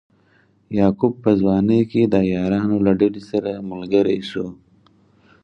یعقوب په ځوانۍ کې د عیارانو له ډلې سره ملګری شو.